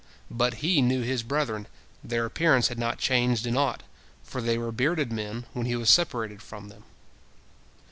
But he knew his brethren, their appearance had not changed in aught, for they were bearded men when he was separated from them.